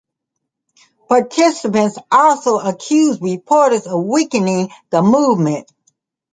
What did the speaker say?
Participants also accused reporters of weakening the movement.